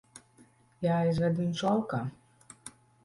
Jāizved viņš laukā.